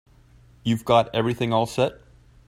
You've got everything all set?